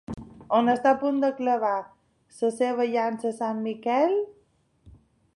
On està a punt de clavar la seva llança Sant Miquel?